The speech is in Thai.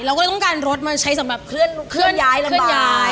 เราก็ต้องการรถมาใช้สำหรับเคลื่อนย้ายลำบาย